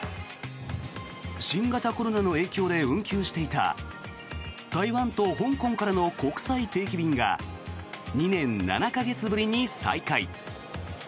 新型コロナの影響で運休していた台湾と香港からの国際定期便が２年７か月ぶりに再開。